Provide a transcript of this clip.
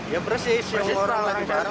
ya persis orang lagi jalan